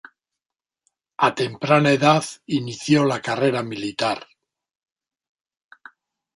A temprana edad inició la carrera militar.